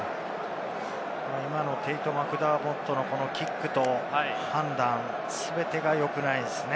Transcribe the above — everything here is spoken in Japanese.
今のテイト・マクダーモットのキックの判断、全てがよくないですね。